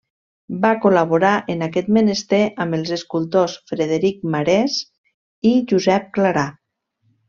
Va col·laborar en aquest menester amb els escultors Frederic Marès i Josep Clarà.